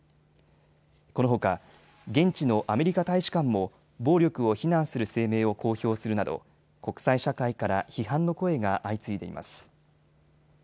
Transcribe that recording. このほか現地のアメリカ大使館も暴力を非難する声明を公表するなど国際社会から批判の声が相次いでいます。